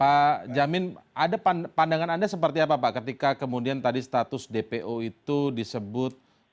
pak jamin ada pandangan anda seperti apa pak ketika kemudian tadi status dpo itu disebut